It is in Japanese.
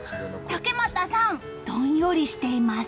竹俣さん、どんよりしています。